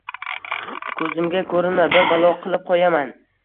Koʻzimga koʻrinma, bir balo qilib qoʻyaman